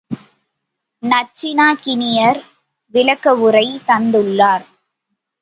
நச்சினார்க்கினியர் விளக்கவுரை தந்துள்ளார்.